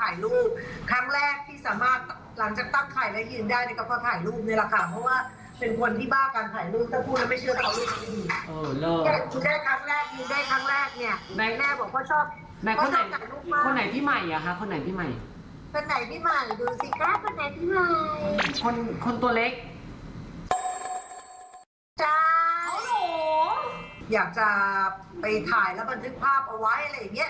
อยากจะไปถ่ายแล้วบันทึกภาพเอาไว้อะไรอย่างนี้